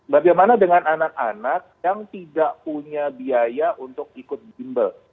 bagaimana dengan anak anak yang tidak punya biaya untuk ikut gimbel